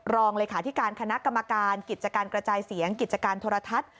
รองเลขาธิการคณะกรรมการกิจการกระจายเสียงกิจการโทรทัศน์